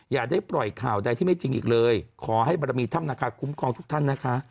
อย่าได้ปล่อยข่าวใดที่ไม่จริงอีกเลยขอให้บรมีถ้ำนาคาคุ้มครองทุกท่านนะคะ